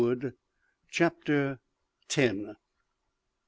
CHAPTER TEN.